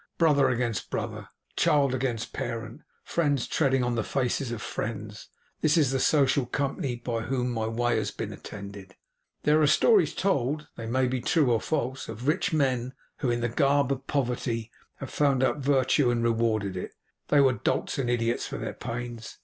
Brother against brother, child against parent, friends treading on the faces of friends, this is the social company by whom my way has been attended. There are stories told they may be true or false of rich men who, in the garb of poverty, have found out virtue and rewarded it. They were dolts and idiots for their pains.